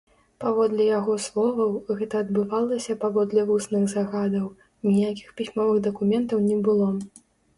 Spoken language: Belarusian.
Паводле яго словаў, гэта адбывалася паводле вусных загадаў, ніякіх пісьмовых дакументаў не было.